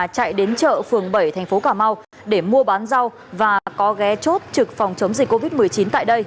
chạy đến chợ phường bảy tp cm để mua bán rau và có ghé chốt trực phòng chống dịch covid một mươi chín tại đây